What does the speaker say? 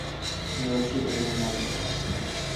И вообще әйләнәм.